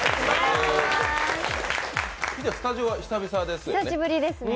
スタジオは久々ですよね？